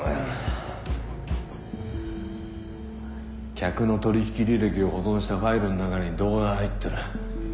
客の取引履歴を保存したファイルの中に動画が入ってる。